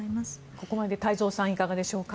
ここまでで太蔵さん、いかがでしょうか。